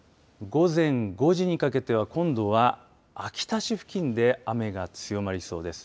午前５時にかけては今度は秋田市付近で雨が強まりそうです。